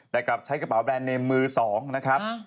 แต่กลับใช้กระเป๋าแบรนดเนมมือ๒นะครับ